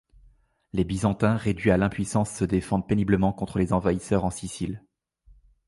Les byzantins réduits à l'impuissance se défendent péniblement contre les envahisseurs en Sicile.